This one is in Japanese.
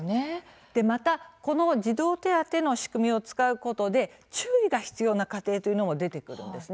またこの児童手当の仕組みを使うことで注意が必要な家庭というのも出てくるんですね。